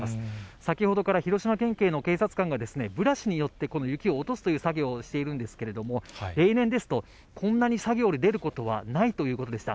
先ほどから広島県警の警察官が、ブラシによってこの雪を落とすという作業をしているんですけれども、平年ですと、こんなに作業に出ることはないということでした。